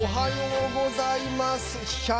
おはようございます。